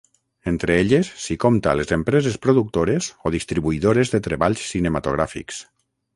Entre elles s'hi compta les empreses productores o distribuïdores de treballs cinematogràfics.